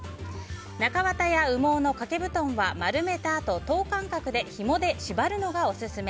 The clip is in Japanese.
中綿や羽毛の掛け布団は丸めたあと、等間隔でひもで縛るのがオススメ。